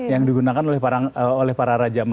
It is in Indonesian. yang digunakan oleh para raja